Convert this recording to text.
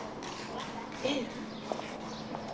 エール？